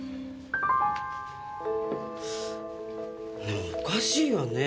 でもおかしいわね